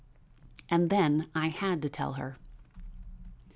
And then I had to tell her.